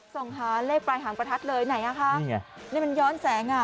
ส่งหาเลขปลายหางประทัดเลยไหนอ่ะคะนี่ไงนี่มันย้อนแสงอ่ะ